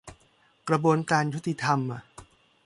กระบวนการยุติธรรม